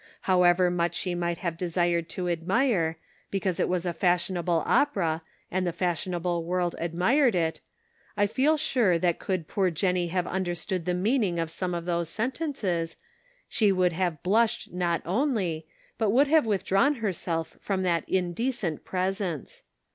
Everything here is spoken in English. However much she might have desired to admire, because it was a fash ionable opera, and the fashionable world ad mired it, I feel sure that could poor Jennie have understood the meaning of some of the sentences, she would have blushed not only, but would have withdrawn herself from that indecent presence.